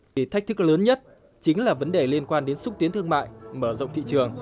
thì thách thức lớn nhất chính là vấn đề liên quan đến xúc tiến thương mại mở rộng thị trường